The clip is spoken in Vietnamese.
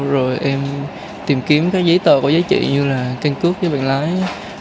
rồi em tìm kiếm các giấy tờ có giá trị như là kênh cước với bàn lái